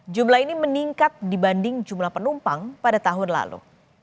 jumlah ini meningkat dibanding jumlah penumpang pada tahun lalu